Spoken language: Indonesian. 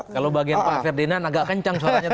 kalau bagian pak ferdinand agak kencang suaranya tadi